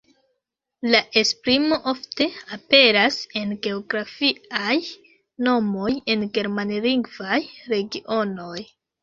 La esprimo ofte aperas en geografiaj nomoj en germanlingvaj regionoj.